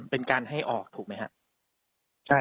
เป็นการให้ออกถูกมั้ยฮะ